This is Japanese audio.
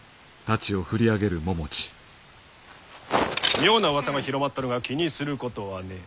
妙なうわさが広まっとるが気にすることはねえ。